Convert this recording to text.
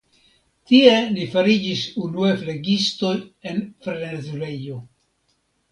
Tie ni fariĝis unue flegistoj en frenezulejo.